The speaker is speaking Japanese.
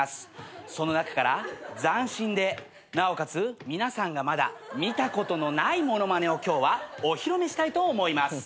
その中から斬新でなおかつ皆さんがまだ見たことのない物まねを今日はお披露目したいと思います。